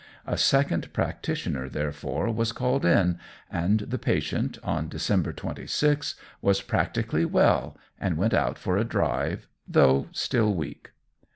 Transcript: A second practitioner, therefore, was called in, and the patient, on December 26, was practically well and went out for a drive though still weak.